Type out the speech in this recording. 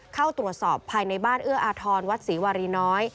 เข้าตรวจสอบภายในบ้านเอื้ออาทรวัดศรีวารีน้อย